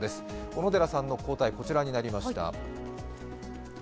小野寺さんの抗体はこちらになりました。